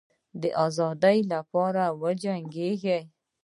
د آزادی لپاره وجنګېږی.